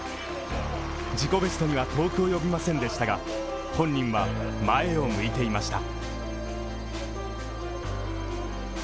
自己ベストには遠くおよびませんでしたが本人は前を向いていました。